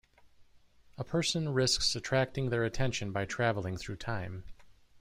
A person risks attracting their attention by travelling through time.